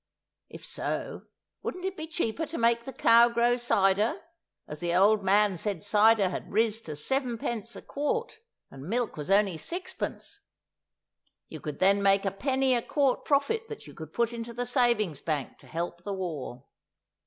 If so, wouldn't it be cheaper to make the cow grow cider, as the old man said cider had riz to 7_d._ a quart, and milk was only 6_d._ You would then make a penny a quart profit that you could put into the Savings Bank to help the War.